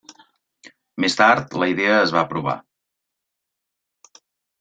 Més tard, la idea es va aprovar.